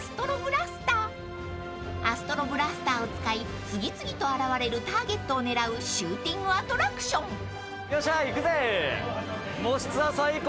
［アストロブラスターを使い次々と現れるターゲットを狙うシューティングアトラクション］よっしゃいくぜ！